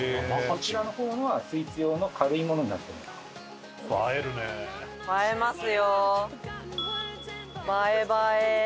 こちらの方はスイーツ用の軽いものになってます。